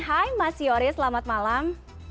hai mas yoris selamat malam